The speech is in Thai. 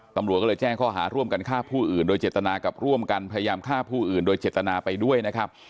ตำรวจก็เลยแจ้งข้อหาร่วมกันฆ่าผู้อื่นโดยเจตนากับร่วมกันพยายามฆ่าผู้อื่นโดยเจตนาไปด้วยนะครับ